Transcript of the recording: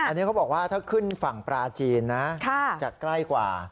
อันนี้เขาบอกว่าถ้าขึ้นฝั่งปลาจีนนะจะใกล้กว่า